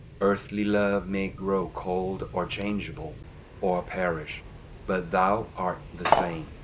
Earthly love may grow cold or changeable, or perish; but "Thou art the same."